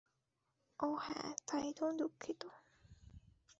ও হ্যাঁ, তাই তো, দুঃখিত!